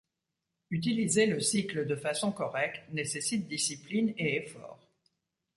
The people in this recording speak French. Utiliser le cycle de façon correcte nécessite discipline et effort.